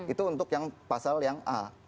itu untuk yang pasal yang a